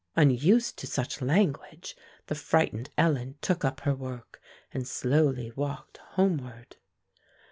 Unused to such language, the frightened Ellen took up her work and slowly walked homeward.